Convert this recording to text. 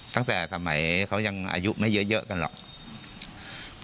ตั้งแต่สมัยเขายังอายุไม่เยอะกันหรอก